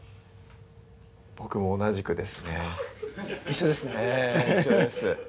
僕も同じくですね一緒ですねええ一緒です